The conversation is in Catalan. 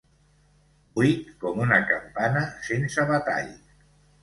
Buit com una campana sense batall.